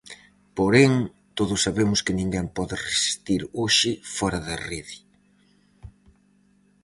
Porén, todos sabemos que ninguén pode resistir hoxe fóra da rede.